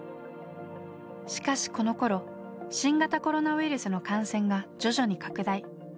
しかしこのころ新型コロナウイルスの感染が徐々に拡大。